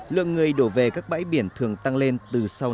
lượng người đổ về các bãi biển thường tăng lên từ sáu đến bảy